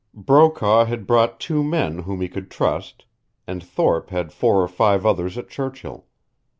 Brokaw had brought two men whom he could trust, and Thorpe had four or five others at Churchill.